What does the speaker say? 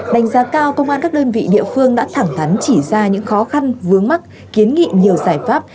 đánh giá cao công an các đơn vị địa phương đã thẳng thắn chỉ ra những khó khăn vướng mắt kiến nghị nhiều giải pháp